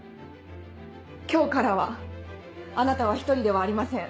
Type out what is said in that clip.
今日からはあなたは独りではありません。